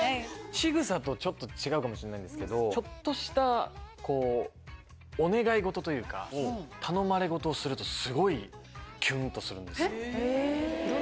しぐさとはちょっと違うかもしれないんですけども、ちょっとしたお願い事というか、頼まれごとをすると、キュンとするんです。